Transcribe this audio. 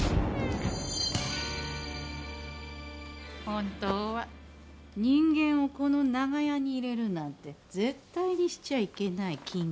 本当は人間をこの長屋に入れるなんて絶対にしちゃいけない禁忌。